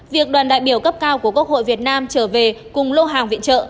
việc đoàn đại biểu cấp cao của quốc hội việt nam trở về cùng lô hàng viện trợ